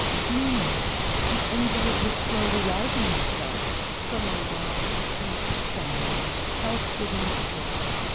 Meanwhile, the invalid was slowly rousing himself from a long, deep, sound, health giving sleep.